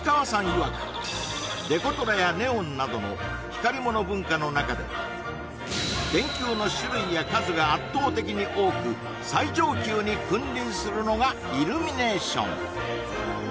いわくデコトラやネオンなどの光り物文化の中で電球の種類や数が圧倒的に多く最上級に君臨するのがイルミネーション